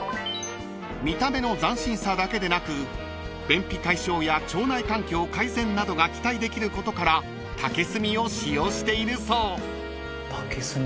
［見た目の斬新さだけでなく便秘解消や腸内環境改善などが期待できることから竹炭を使用しているそう］